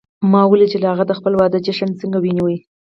ما ولیدل چې هغې د خپل واده جشن څنګه ونیو